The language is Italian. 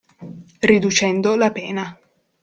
Riducendo la pena.